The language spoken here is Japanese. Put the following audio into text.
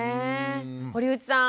堀内さん